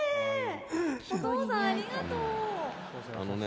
お父さんありがとう！あのね。